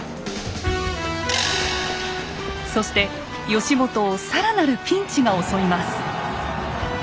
そして義元を更なるピンチが襲います。